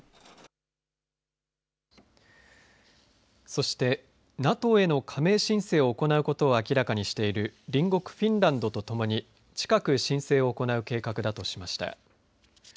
そしてＮＡＴＯへの加盟申請を行うことを明らかにしている隣国フィンランドとともに近く申請を行う計画だとしました。